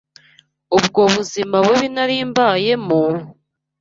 ubwo buzima bubi nari mbayemo,